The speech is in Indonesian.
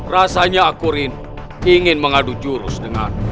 rasanya akurin ingin mengadu jurus dengan